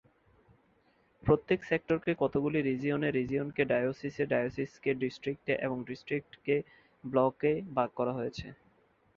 প্রত্যেক সেক্টরকে কতগুলি রিজিয়নে, রিজিয়নকে ডায়োসিসে, ডায়োসিসকে ডিস্ট্রিক্টে এবং ডিস্ট্রিক্টকে ব্লকে ভাগ করা হয়েছে।